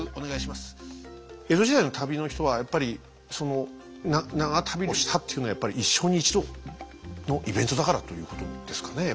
江戸時代の旅の人はやっぱりその長旅をしたっていうのはやっぱり一生に一度のイベントだからということですかねえ？